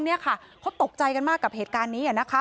เขาตกใจกันมากกับเหตุการณ์นี้